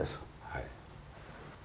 はい。